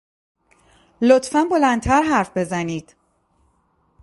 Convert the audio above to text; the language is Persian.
لطفا بلندتر حرف بزنید.